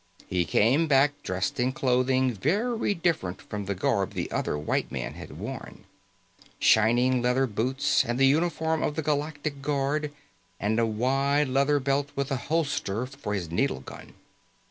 He came back dressed in clothing very different from the garb the other white man had worn. Shining leather boots and the uniform of the Galactic Guard, and a wide leather belt with a holster for his needle gun.